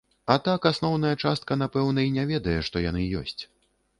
А так асноўная частка, напэўна, і не ведае, што яны ёсць.